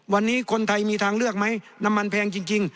วันนี้คนไทยมีทางเลือกไหมน้ำมันแพงจริง